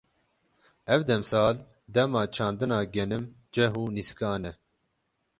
Ev demsal, dema çandina genim, ceh û nîskan e.